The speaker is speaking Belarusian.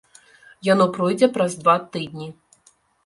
Яно пройдзе праз два тыдні.